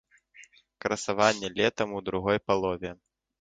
Красаванне летам ў другой палове.